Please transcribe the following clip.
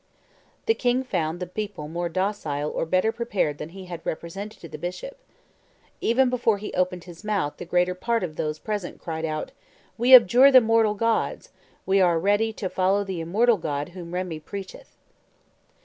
The king found the people more docile or better prepared than he had represented to the bishop. Even before he opened his mouth the greater part of those present cried out, "We abjure the mortal gods; we are ready to follow the immortal God whom Remi preacheth."